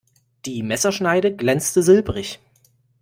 Die Messerschneide glänzte silbrig.